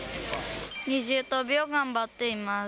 二重跳びを頑張っています。